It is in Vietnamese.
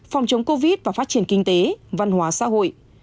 phòng chống covid và phát triển kinh tế văn hóa xã hội